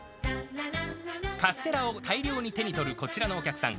カステラを大量に手に取るこちらのお客さん。